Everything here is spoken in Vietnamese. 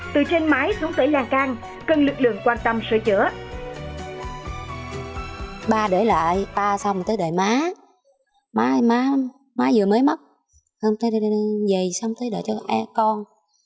từ trên mái xuống tới làng can